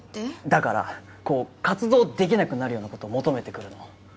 だからこう活動できなくなるようなこと求めてくるの？